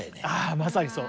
まさにそう。